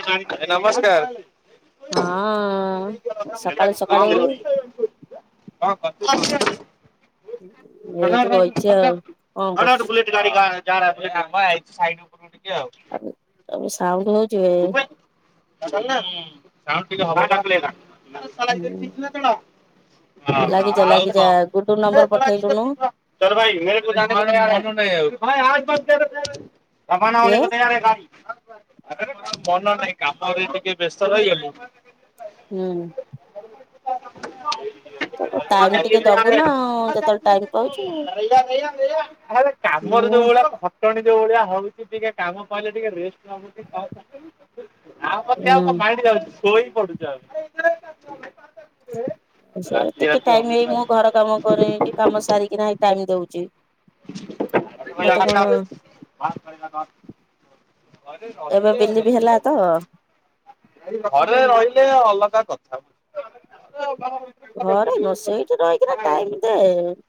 [inaudible] ଭାଇ ନମସ୍କାର। ହଁଅଁ ସକାଳୁ ସକାଳୁ। [unintelligible] [inaudible] ଏଇଠି ଆଇଚି ବଇଚି ଆଉ କଣ ସାଇଟ କରୁଛୁ? ଉପରୁକୁ ଟିକେ ଆଉ। ଆ ଆ ସାଉଣ୍ଡ ହୋ [inaudible] ହୁଁ ସାଉଣ୍ଡ ଟିକେ ହବପା। ହୁଁ। [unintelligible] ଅହ ଲାଗିଯା ଆଉ ଲାଗିଯା କ ଗୁଡୁ [inaudible] ନମ୍ବର ପଠେଇଲୁନୁ ସରୁ ଭାଇ [unintelligible] ଜପାନା କିଏ ଓଲି ଗୋଟେ ଆଡେ ଗାଡ଼ି। ମନ ନାହିଁ କାମରେ ଟିକେ ବ୍ୟସ୍ତ ରହିଗଲି। ହୁଁ। [inaudible] ଏଇଠି [unintelligible] ଟାଇମ କାମରେ ଟିକେ ଦବୁ ନା ଯୋଉ ଯେତେବେଳେ ଭଳିଆ ଟାଇମ ପାଉଛୁ। ଖଟଣି ଯୋଉ ଭଳିଆ ହଉଛି ମୁଁ ଟିକେ କାମ ସଇଲେ ଟିକେ ରେଷ୍ଟ [unintelligible] ଆଉ ମତେ ଆଉ ହୁଁ କଣ ମାଇଣ୍ଡି ଯାଉଛି ଶୋଇ ପଡୁଛୁ ଆମେ। ସାର ଟିକେ ଟାଇମ ହେଇ ମୁଁ ଘର କାମ କରେ କାମ ସାରିକି ନା ହେଇ ଟାଇମ ଦଉଚି। [unintelligible] ଏବେ ବିଲିଭି ହେଲା ତ। ଘରେ ରହିଲେ ଅଲଗା କଥା। ଘରେ ନୁହଁ ସେଇଠି ରହିକି ନା ଟାଇମ୍ ଦେ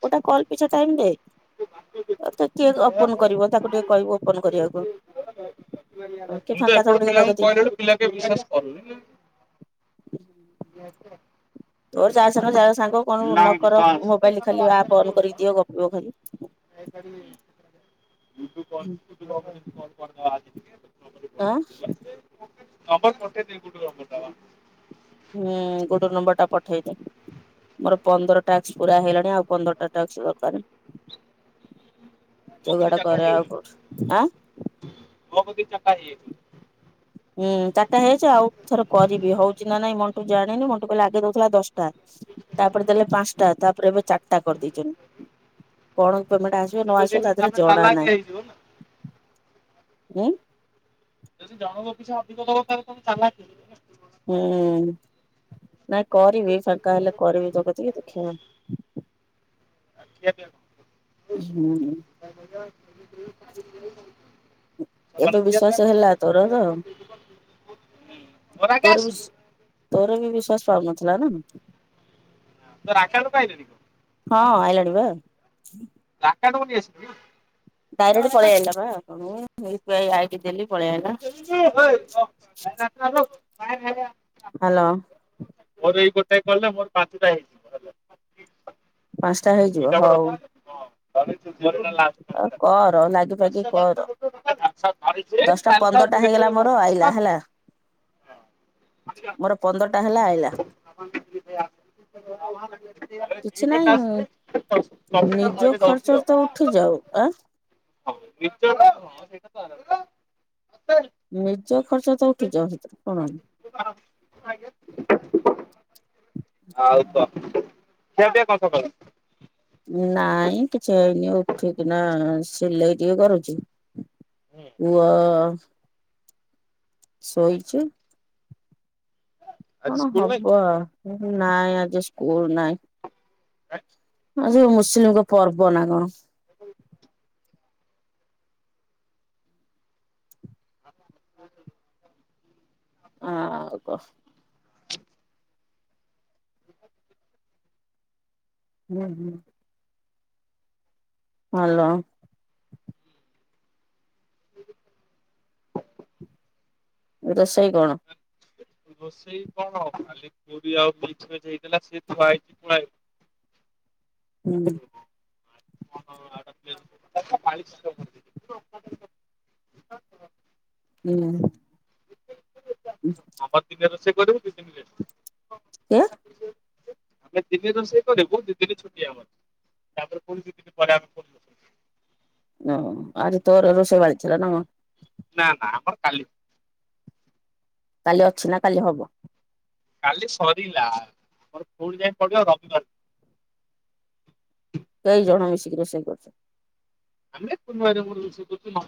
ଗୋଟା କଲ୍ ପିଛା ଟାଇମ୍ ଦେ। ଆଉ ତ କିଏ ଓପନ୍ କରିବ ତାକୁ ଟିକେ କହିବୁ ଓପନ କରିଆକୁ। ଆଉ କିଏ ଫାଙ୍କା ଥବ ଟିକେ ତା କତିକି। ପିଲା କିଏ ବିଶ୍ୱାସ କରୁନି। [unintelligible] ତୋର ଯାହା ସାଙ୍ଗେରେ ଯାହା ସାଙ୍ଗ କଣ ଉ ନକର ମୋବାଇଲି ଖାଲି ଆପ୍ ଅନ୍ କରିକି ଦିଅ ଗପିବ ଖାଲି। ଯାଇ ପାରିବିନ୍ [inaudible] [unintelligible] ତମରି ଆଁ ଗୋଟେ ଦି ଫୁଟୁ ଲମ୍ବଟା ବା। ହୁଁ ଗୋଟେ ନମ୍ବରଟା ପଠେଇ ଦେ। ମୋର ପନ୍ଦରଟା ଅଛି ପୁରା ହେଇଗଲାଣି ଆଉ ପନ୍ଦରଟା ଟାକ୍ସ ଦରକାର। ହୁଁ ଯୋଗାଡ କରେ ଆଉ କୋଉଠି ଆଁ। ଗୁଅ ପକେଇ ଚାରଟା ହେଇଯାଇଛି। ହୁଁ ଚାରଟା ହେଇଯାଇଛି ଆଉ ଥରେ କରିବି ହଉଛି ନା ନାଇଁ ମଣ୍ଟୁ ଜାଣିନି ମଣ୍ଟୁ କହିଲା ଆଗେ ଦଉଥେଲା ଦଶ୍ ଟା ତାପରେ ଦେଲେ ପାଂଶଟା ତାପରେ ଏବେ ଚାରଟା କରିଦେଇଚନ୍। କଣ ପମେଣ୍ଟ ଆସିବ ନ ଆସିବ ତା ଧିଏରେ ଜଣା ନାଇଁ ଉଁ ଯଦି ଜଣଙ୍କ ପିଛା ଅଧିକ ଦବ ତାପରେ ତମେ ଚାଲାକ୍ [inaudible] ହୁଁ ନାଇଁ କରିବି ଫାଙ୍କା ହେଲେ କରିବି ତୋ କତିକି ଦେଖିବା। ଆଜି ଆମେ [inaudible] ହୁଁ। [inaudible] ସକାଲୁ ଏବେ ଖିଆ ପିଆ ବିଶ୍ଵାସ ହେଲା କଣ [inaudible] ତୋର ତ ମୋର ଆଗେ ତୋର ବି ଆସୁ। ତୋର ବି ବିଶ୍ଵାସ ପାଉନଥିଲା ନା। [unintelligible] ପାଇଲେନି କି। ହଁ ଆଇଲାଣି ବା। ଲାକାଣ୍ଡ ମୁଁ ନେଇ ଆସିବି। ଡାଇରେଟ୍ ପଳେଇ ଆଇଲା ବା ଆକାଉଣ୍ଟକୁ ମୁଁ U P I I D ଦେଲି ପଳେଇ ଆଇଲା। ଇଏ ହେଇ। ହାଲୋ। ମୋର ଏଇ ଗୋଟାଏ କଲରେ ମୋର ପାଞ୍ଚୁଟା ହେଇଯି ପାଂଶଟା ହେଇଯିବ ହଉ। [unintelligible] ଆରେଇଚିରେ ଆଉ ହେଇ କର ଲାଗି ପାଗି ତାହଲେ କର ତ ଆଉ ଦଶଟା ଧୀରେ ପନ୍ଦରଟା ହେଇଗଲା ମୋର ଧୀରେ ଆଇଲା ହେଲା [inaudible] ମୋର ପନ୍ଦରଟା ହେଲା ଆଇଲ୍ [unintelligible] କିଛି ନାଇଁ ନିଜ ଖର୍ଚ୍ଚ ତ ଉଠି ଯାଉ ଆଁ। [unintelligible] ନିଜ ଖର୍ଚ୍ଚ ତ ଉଠିଯାଉ ସେଥେରେ କଣ ଆଉ ତ ଖିଆ ପିଆ କଁ ସକାଳୁ। ନାଇଁ କିଛି ହେଇନି ଉଠିକିନା ସିଲେଇ ଟିକେ କରୁଚି। ପୁଅ ସୋଇଚି। କଣ ହବ ନାଇଁ ଆଜି ସ୍କୁଲ୍ ନାଇଁ। [inaudible] ହଁ ସେଉ ମୁସଲିମ୍ଙ୍କ ପର୍ବନା କଣ। ହୁଁ। ହୁଁ। ଆଉକଁ। ହୁଁ ହୁଁ। ହାଲୋ। [inaudible] ରୋଷେଇ କଣ? ରୋଷେଇ କଣ ଖାଲି ପୁରୀ ଆଉ ମିକ୍ସିଭେଜ୍ ହେଇଥିଲା ସେଥୁଆହେଇଚି ଥୁଆହେଇଚି ହୁଁ। [unintelligible] ହୁଁ। ଉଁ। ଆମର ଦିନେ ରୋଷେଇ କରିବୁ ଦିଦିନି ଖାଇବୁ। କିଏ? ଆମେ ଦିନେ ରୋଷେଇ କରିବୁ ଦି ଦିନି ଛୁଟି ଆମର। ତାପରେ ପୁଣି ଦି ଦିନି ପରେ ଆମକୁ [unintelligible] ଆଜି ତୋର ରୋଷେଇ ପାଳ ଥିଲାନା କଣ? ନା ନା ଆମର କାଲି। କାଲି ଅଛିନା କାଲି ହବ? କାଲି ସରିଲା ମୋର ଫୁଣି ଯାଇକି ପଡ଼ିବ ରବିବାର କେଇ ଜଣ ମିଶିକି ରୋଷେଇ କରୁଚ? ଆମେ କୁନୁ ଭାଇର ମୋର ରୋଷେଇ କରୁଚୁ [unintelligible]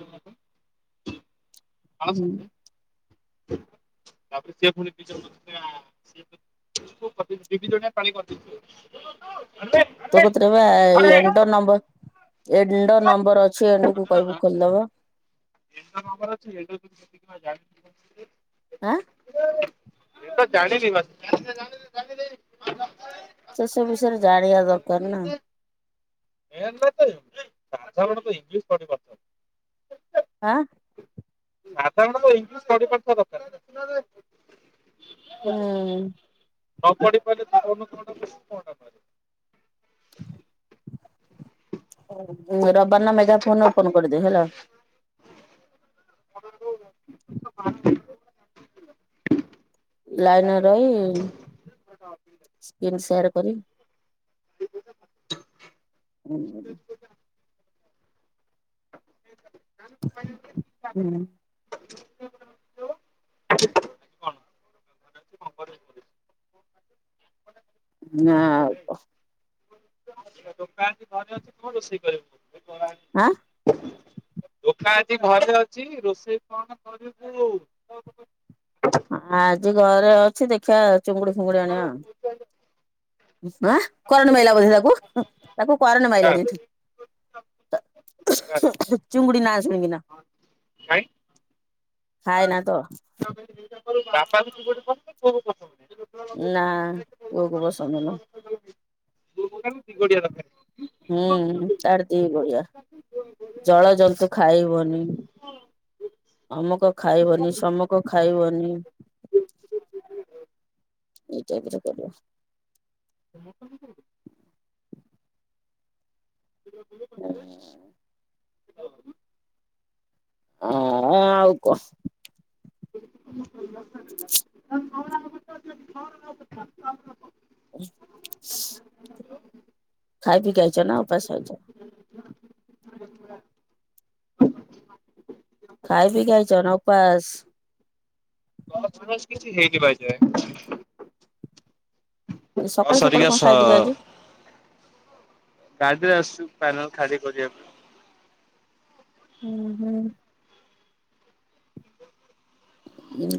କଁ [unintelligible] ତାପରେ ସିଏ ପୁଣି ଦି ଜଣ [unintelligible] ଦି ଦି ଜଣ ପାଳି [unintelligible] [unintelligible] ତୋକତିରେବା ଏ ଏଣ୍ଡ ନମ୍ବର ଏଣ୍ଡ ନମ୍ବର ଅଛି ଏଣ୍ଡକୁୁ କହିବୁ ଖୋଲିଦବ। ଏଣ୍ତ ନମ୍ବର ଅଛି ଏ [unintelligible] ଆଁ। ଏଣ୍ତ ଜାଣିିଚି [unintelligible] ଚାଷ ବିଷୟରେ ଜାଣିବା ଦରକାରନା। [unintelligible] ଇଂଲିଶ୍ ପଢିପାରୁଛନ୍ତି। ଆଁ। ସାଧାରଣ ଇଂଲିଶ୍ ପଢିପାରୁଥିବା ଦରକାର୍। ହୁଁ। ନପଢି ପାରିଲେ [unintelligible] [inaudible] ରବିବାର ଦିନ ମେଗା ଫୋନ୍ ଓପନ୍ କରିଦେ ହେଲା। ଲାଇନିରେ ରହି ସ୍କ୍ରିନ୍ ସେଟ୍ କରି ହୁଁ। ହୁଁ। ନାଁ ଆଉକଁ ଟୋକା ଆଜି ଘରେ ଅଛି କଁ ରୋଷେଇ କରିବୁ? ଆଁ। ଟୋକା ଆଜି ଘରେ ଅଛି ରୋଷେଇ କଣ କରିବୁ? ଆଜି ଘରେ ଅଛି ଦେଖିଆ ଚିଙ୍ଗୁଡି ଫିଙ୍ଗୁଡି ଆଣିବା। ଆଁ କରେଣ୍ଡ ମାଇଲା ବୋଧେ ତାକୁ ତାକୁ କରେଣ୍ଡ ମାଇଲାଣି ଏଠି। ଚିଙ୍ଗୁଡ଼ି ନାଆ ସୁଣିକିନା। ଖାଇନା ତ? ବାପା କୁ ଚିଙ୍ଗୁଡ଼ି ପସନ୍ଦ, ପୁଅ କୁ ପ ନା ପୁଅକୁ ପସନ୍ଦନୁ। [unintelligible] ହୁଁ ତାର ଦି ଗୋଡିଆ ଜଳ ଜନ୍ତୁ ଖାଇବନି। ଅମକ ଖାଇବନି ଶମକ ଖାଇବନି। ଏଇଟାଇପର କରିଆ। ଆ ମୋ ପାଇଁ ବି କରିବେ। [inaudible] [inaudible] [unintelligible] ଉଁ ଆଉ କ [unintelligible] [unintelligible] [unintelligible] ଖାଇ ପି କି ଆଇଚ ନା ଉପାସ ଆଇଚ? [unintelligible] ଖାଇ ପି କି ଆଇଚ ନା ଓପାସ? [unintelligible] ନ ସକାଳୁ ସକାଳୁ ସରିକା କଣ ସ ସାଇଟିକି ଗାଡିରେ ଆସୁ ପ୍ୟାନେଲ ଖାଲି କରି ପାଇଁ। ଉଁ ହୁଁ।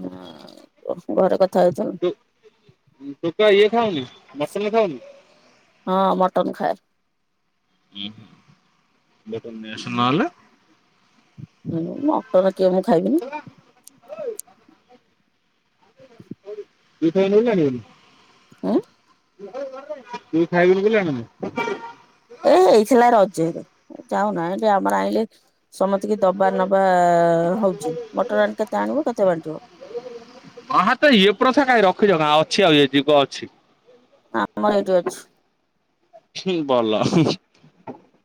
ନା ଘରେ କଥା ହଉଥ। ଟୁ ଟୋକା ଇଏ ଖାଉନି ମଟନ ଖାଉନି? ହଁ ମଟନ୍ ଖାଏ। ଉଁ [unintelligible] ନହେଲେ। ଉଁ ମଟନ କିଏ ମୁଁ ଖାଇବିନି। [unintelligible] ଦି ଥର ହେନେ ବି ଜାଣିବନି। ଉଁ। ତୁ ଖାଇବୁନୁ ବୋଲି ଆଣୁନୁ। ଏ ହେଇଥିଲା ରଜରେ ଯାଉନା ଏ ଆମର ଆଇଁଲେ ସମତିକି ଦବା ନବା ହଉଛି ମଟର ଆଣି କେତେ ଆଣିବୁ କେତେ ବାଣ୍ଟିବୁ? ଆହା ତ ଇଏ ପ୍ରଥା କାଇଁ ରଖିଚ ଅଛି ଆଉ ଇଏ ଯୁଗ ଅଛି। ଆମର ଏଇଟି ଅଛି। ହୁଁ ବଲ।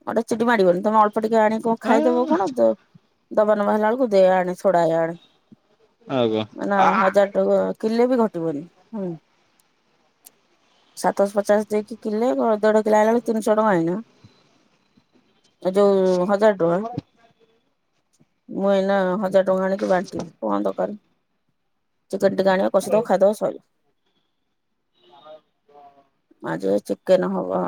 ଗୋଟେ ଚିଟି ମାଡିବନି ତମେ ଅଳ୍ପ ଟିକେ ଆଣି କଣ ଖାଇଦବ କଣ ଯ ଦବା ନବା ହେଲା ବେଳକୁ ଦେ ଆଣେ ସୋଡାଏ ଆଣେ ମାନେ ହଜାର ତବ କିଲେ ବି ଘଟିବନି ହୁଁ। ସାତଶ ପଚାଶ ଦେଇକି କିଲେ ଦେଢ କିଲା ଆଇଁଲା ବେଳେ ତିନିଶହ ଟଙ୍କା ଏଇନା। ଏ ଯୋଉ ହଜାର ଟଙ୍କା। ମୁଁ ଏଇନା ହଜାର ଟଙ୍କା ଆଣିକି ବାଣ୍ଟିବି କଣ ଦରକାର? ଚିକେନ ଟିକେ ଆଣିବ କସିଦବ ଖାଇଦବ ସଇଲା। ଆଜିପା ଚିକେନ ହବ।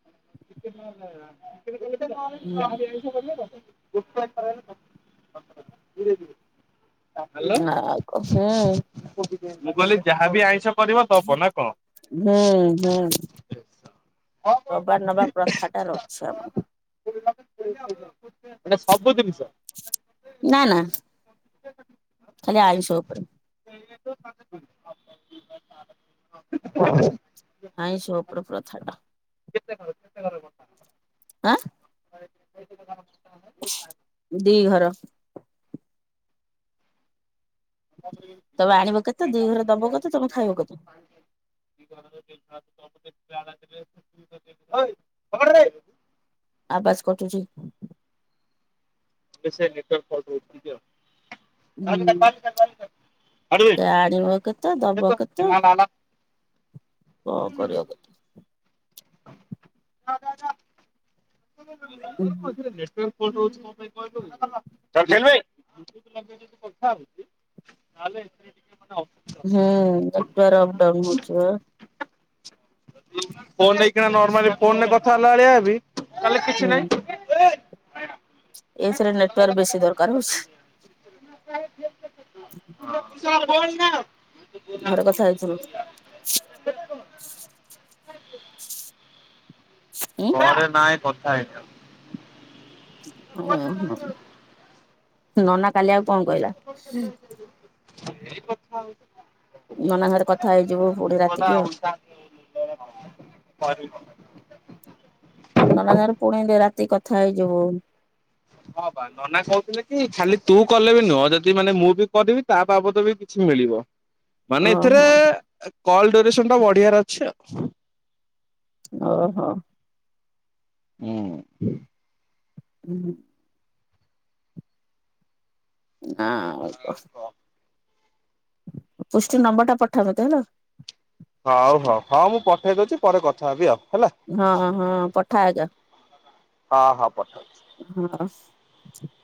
[inaudible] ହୁଁ ଧୀରେ ଧୀରେ। ନା କହ ହୁଁ। ମୁଁ କହିଲି ଯାହାବି ଆଇଁଷ କରିବ ଦବ ନା କଣ? ହୁଁ ହୁଁ ଦବା ନବା ପ୍ରଥାଟା ଅଛି ଆମର। ମାନେ ସବୁ ଜିନିଷ। ନା ନା। ଆ ଖାଲି ଆଇଁଷ୍ ଉପରେ ଆଇଁଷ ଉପରେ ପ୍ରଥାଟା। [inaudible] ହାଁ। ଦି ଘର। ତା ତମେ ଆଣିବ କେତେ ଦି ଘର ଦବ କେତେ ତମେ ଖାଇବ କେତେ? [inaudible] ଆବାଜ କଟୁଛି। ହୁଁ [inaudible] ଆଣିବ କେତେ ଦବ କେତେ କଣ କରିବ କେତେ? ହୁଁ [inaudible] [inaudible] ଆଲେ ହୁଁ ନେଟୱର୍କ ଅପଡାଉନ ହଉଛି ବା। ଫୋନ ନେଇକିନା ନର୍ମାଲି ଫୋନରେ କଥା ହେଲା ଭଳିଆଲେ କିଛି ନାହିଁ। ଏଥିରେ ନେଟୱାର୍ ବେଶୀ ଦରକାର ହଉଛି। [inaudible] ଘରେ କଥା ହେଇଥିଲୁ? ହ ଉଁ ଘରେ ନାଇଁ କଥା ହେଇନି ଆଉ ଓହୋ ନନା କାଲି ଆଉ କଣ କହିଲା? କଥା ହଉଛି। ନନା ସାଙ୍ଗରେ କଥା ହେଇଯିବୁ ପୁଣି ରାତିକି ଆଉ [inaudible] ନନା ସାଙ୍ଗରେ ପୁଣି ରାତିକି କଥା ହେଇଯିବୁ। ହଁ ବା ନନା କହୁଥିଲେ କି ଖାଲି ତୁ କଲେ ବି ନୁହଁ ଯଦି ମାନେ ମୁଁ ବି କରିବି ତା ବାବଦ ବି କିଛି ମିଳିବ। ମାନେ ଏଥିରେ ଓହୋ କଲ ଡୁରେସନଟା ବଢିଆର ଅଛି ଆଉ ଓହୋ। ହୁଁ। ହୁଁ [unintelligible] ପୁଷ୍ଟି ନମ୍ବର ଟା ପଠାମତେ ହେଲା। ହଉ ହଉ ହଁ ମୁଁ ପଠେଇ ଦଉଚି ପରେ କଥା ହେବି ଆଉ ହେଲା। ହଁ ହଁ ପଠା ଆଗ। ହ ହ ପଠଉଚି। [unintelligible]